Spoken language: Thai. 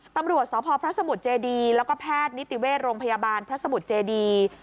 ตำรวจสพพระสมุทรเจดีแล้วก็แพทย์นิติเวชโรงพยาบาลพระสมุทรเจดี